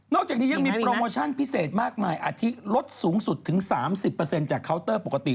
อกจากนี้ยังมีโปรโมชั่นพิเศษมากมายอาทิตลดสูงสุดถึง๓๐จากเคาน์เตอร์ปกติ